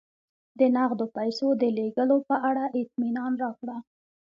د نغدو پیسو د لېږلو په اړه اطمینان راکړه